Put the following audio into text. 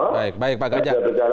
baik pak gajah